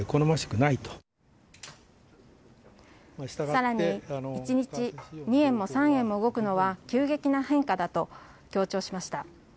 更に１日２円も３円も動くのは急激な変化だと強調しました。